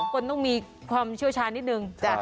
คนต้องมีความเชี่ยวชาญนิดนึง